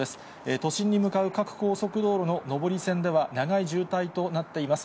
都心に向かう各高速道路の上り線では、長い渋滞となっています。